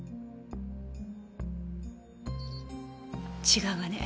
違うわね。